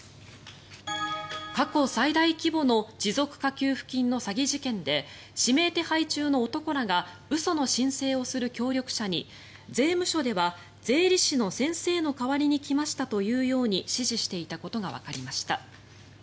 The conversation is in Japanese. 過去最大規模の持続化給付金の詐欺事件で指名手配中の男らが嘘の申請をする協力者に税務署では税理士の先生の代わりに来ましたと言うように指示していたことがわかりました。